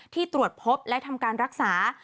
ตรวจพบและทำการรักษา